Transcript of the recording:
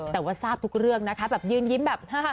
แต่ว่าทราบทุกเรื่องนะครับ